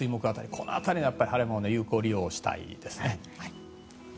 この辺りの晴れを有効利用したいですね。